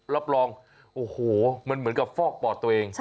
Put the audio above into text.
รับรองโอ้โหมันเหมือนกับฟอกปอดตัวเอง